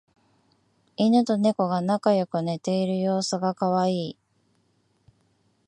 イヌとネコが仲良く寝ている様子がカワイイ